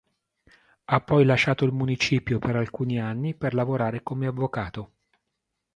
Ha poi lasciato il municipio per alcuni anni per lavorare come avvocato.